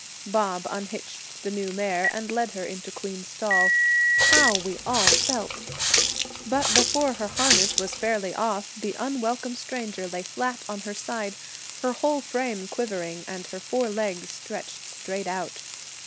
Bob unhitched the new mare and led her into Queen's stall. How we all felt! But before her harness was fairly off, the unwelcome stranger lay flat on her side, her whole frame quivering and her four legs stretched straight out.